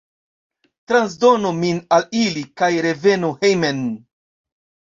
Transdonu min al ili kaj revenu hejmen.